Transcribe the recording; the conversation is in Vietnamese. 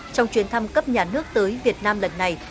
trong chuyến thăm cấp nhà nước tới việt nam lần này